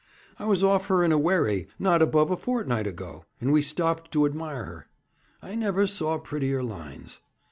'I was off her in a wherry not above a fortnight ago, and we stopped to admire her. I never saw prettier lines.'